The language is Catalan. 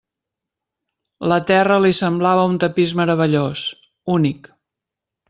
La terra li semblava un tapís meravellós, únic.